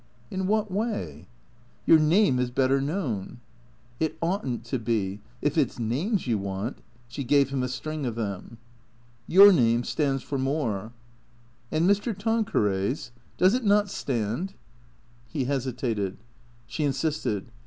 " In what way ?" "Your name is better known." " It ought n't to be. If it 's names you want " She gave him a string of them. " Your name stands for more." " And Mr. Tanqueray's ? Does it not stand ?" THE CEEATOKS 145 He hesitated. She insisted.